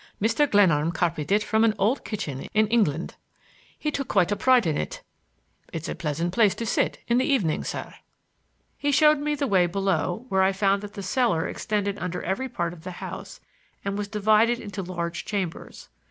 Mr. Glenarm copied it from an old kitchen in England. He took quite a pride in it. It's a pleasant place to sit in the evening, sir." He showed me the way below, where I found that the cellar extended under every part of the house, and was divided into large chambers.